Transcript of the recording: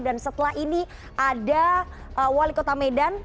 dan setelah ini ada wali kota medan